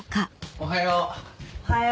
おはよう。